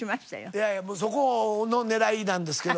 いやいやもうそこの狙いなんですけども。